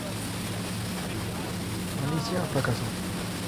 Malicia fracasó.